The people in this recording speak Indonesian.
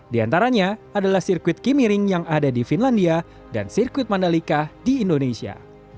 di antaranya adalah sirkuit kimiring yang ada di finlandia dan sirkuit mandalika di indonesia